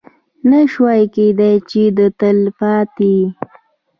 نه شوای کېدی چې د تلپاتې